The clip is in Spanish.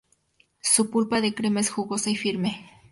Su pulpa de crema es jugosa y firme.